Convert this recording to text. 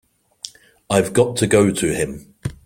I've got to go to him.